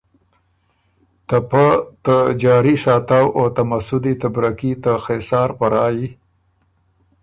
ته پۀ ته جاري ساتؤ او ته مسُودی ته بره کي ته خېسار په رایٛ